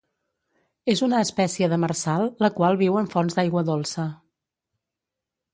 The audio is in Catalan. És una espècie demersal, la qual viu en fonts d'aigua dolça.